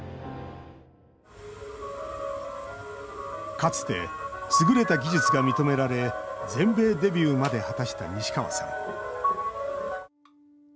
かつて、優れた技術が認められ全米デビューまで果たした西川さん。